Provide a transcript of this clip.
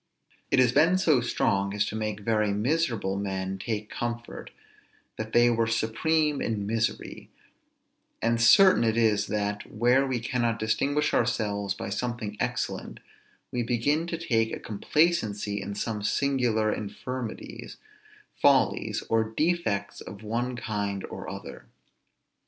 It has been so strong as to make very miserable men take comfort, that they were supreme in misery; and certain it is that, where we cannot distinguish ourselves by something excellent, we begin to take a complacency in some singular infirmities, follies, or defects of one kind or other.